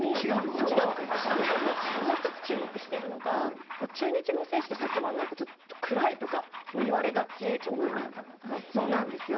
浅尾：もう１つ、注目してるのが中日の選手って、さっきも暗いとか言われがちなんですよ。